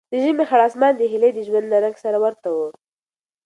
د ژمي خړ اسمان د هیلې د ژوند له رنګ سره ورته و.